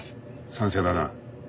賛成だな。